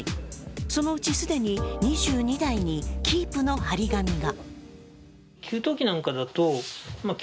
そのうち既に２２台にキープの貼り紙が。